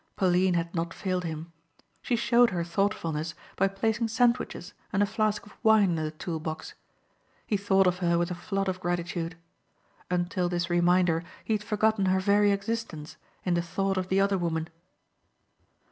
Pauline had not failed him. She showed her thoughtfulness by placing sandwiches and a flask of wine in the tool box. He thought of her with a flood of gratitude. Until this reminder he had forgotten her very existence in the thought of the other woman.